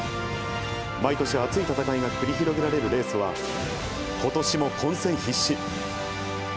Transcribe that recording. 毎年熱い戦いが繰り広げられるレースは、ことしも混戦必至。